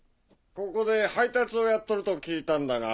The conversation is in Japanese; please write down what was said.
ここで配達をやっとると聞いたんだが。